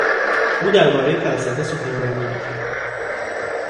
او دربارهی فلسفه سخنرانی کرد.